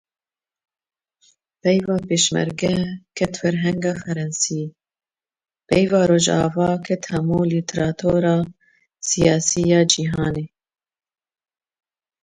Peyva “pêşmerge” ket Ferhenga Frensî, peyva Rojava ket hemû lîteratura sîyasî ya cîhanê